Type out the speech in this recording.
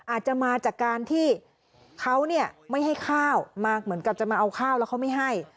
อาจจะมาจากการที่เขาเนี่ยไม่ให้ข้าวมาเหมือนกับจะมาเอาข้าวแล้วเขาไม่ให้